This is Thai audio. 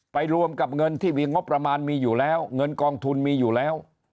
รวมกับเงินที่มีงบประมาณมีอยู่แล้วเงินกองทุนมีอยู่แล้ว